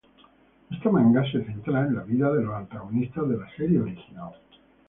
Este manga se centra en las vidas de los antagonistas de la serie original.